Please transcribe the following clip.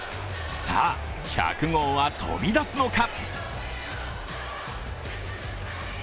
さあ、１００号は飛び出すのか。